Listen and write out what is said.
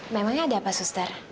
memangnya ada apa suster